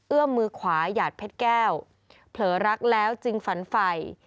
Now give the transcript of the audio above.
มือขวาหยาดเพชรแก้วเผลอรักแล้วจึงฝันไฟ